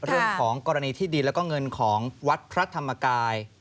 เรื่องของกรณีที่ดินแล้วก็เงินของวัดพระธรรมกาย